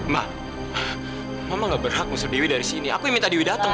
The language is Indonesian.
mak mama gak berhak musuh dewi dari sini aku yang minta dewi datang